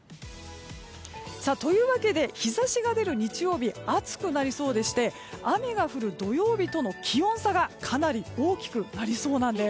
というわけで日差しが出る日曜日は暑くなりそうでして雨が降る土曜日との気温差がかなり大きくなりそうなんです。